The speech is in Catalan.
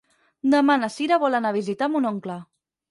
Demà na Cira vol anar a visitar mon oncle.